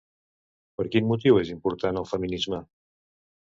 Per quin motiu és important el feminisme?